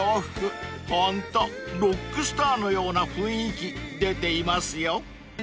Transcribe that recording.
［ホントロックスターのような雰囲気出ていますよ］